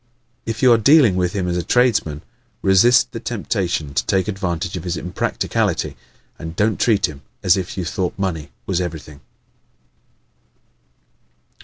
If you are dealing with him as a tradesman, resist the temptation to take advantage of his impracticality and don't treat him as if you thought money was everything.